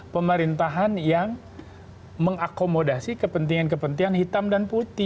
pemerintahan yang mengakomodasi kepentingan kepentingan hitam dan putih